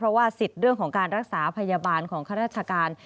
เพราะว่าสิทธิ์เรื่องของการรักษาพยาบาลของข้าราชการ